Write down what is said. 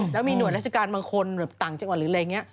แล้วมีหน่วยราชการบางคนแบบต่างจังหวัดหรืออะไรอย่างนี้